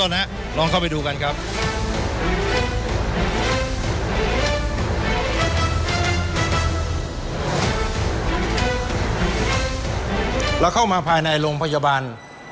เราเข้ามาภายในโรงพยาบาล